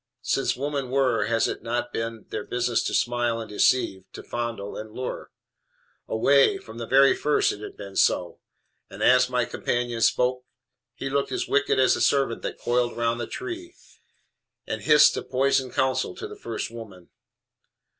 Since women were, has it not been their business to smile and deceive, to fondle and lure? Away! From the very first it has been so!" And as my companion spoke, he looked as wicked as the serpent that coiled round the tree, and hissed a poisoned counsel to the first woman.